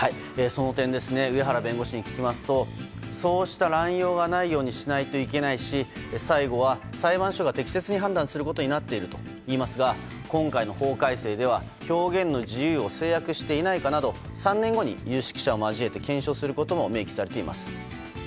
その点上原弁護士に聞きますとそうした乱用はないようにしないといけないし最後は裁判所が適切に判断することになっているといいますが今回の法改正では表現の自由を制約していないかなど３年後に有識者を交えて検証することも明記されています。